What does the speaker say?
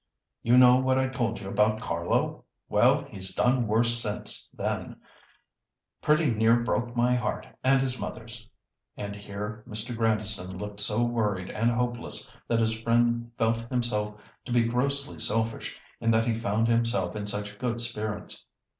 You know what I told you about Carlo? Well, he's done worse since then, pretty near broke my heart and his mother's." And here Mr. Grandison looked so worried and hopeless that his friend felt himself to be grossly selfish in that he found himself in such good spirits.